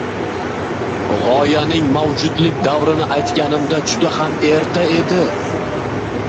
gʻoyaning mavjudlik davrini aytganimda juda ham erta edi.